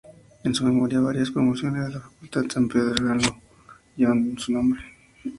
En su memoria, varias promociones de la Facultad de San Fernando llevaron su nombre.